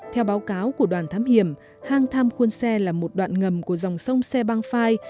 theo báo cáo của đoàn thám hiểm hang tham khuôn xe là một đoạn ngầm của dòng sông xe băng phai